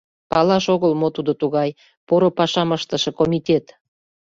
Палаш огыл, мо тудо тугай, поро пашам ыштыше комитет!